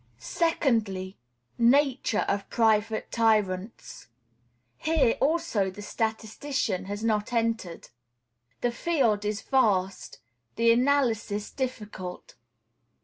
Secondly. Nature of private tyrants. Here also the statistician has not entered. The field is vast; the analysis difficult.